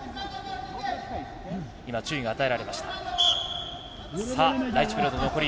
今、注意が与えられました。